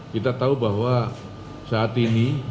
kita tahu bahwa saat ini